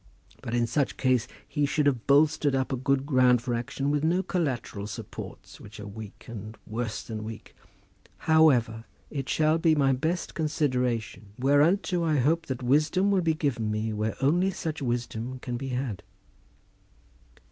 But in such case he should have bolstered up a good ground for action with no collateral supports which are weak, and worse than weak. However, it shall have my best consideration, whereunto I hope that wisdom will be given me where only such wisdom can be had."